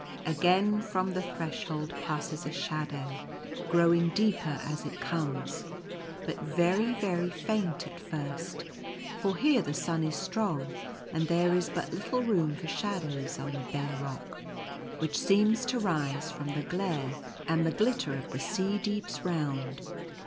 Again from the Threshold passes a shadow, growing deeper as it comes, but very, very faint at first ; for here the sun is strong, and there is but little room for shadows on the bare rock which seems to rise from the glare and the glitter of the sea deeps round.